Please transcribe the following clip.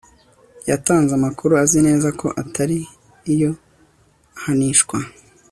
yatanze amakuru azi neza ko atari yo ahanishwa